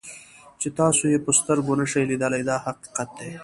چې تاسو یې په سترګو نشئ لیدلی دا حقیقت دی.